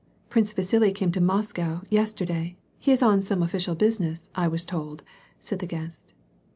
^ "Prince Vasili came to Moscow, yesterday. He is oiw some official business, I was told," said the guest.